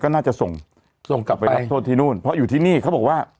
ก็น่าจะส่งส่งกลับไปรับโทษที่นู่นเพราะอยู่ที่นี่เขาบอกว่า